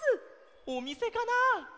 おみせかな？